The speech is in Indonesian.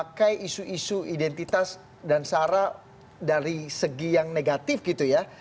kelompok kelompok politik yang memakai isu isu identitas dan sara dari segi yang negatif gitu ya